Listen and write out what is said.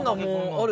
あれ？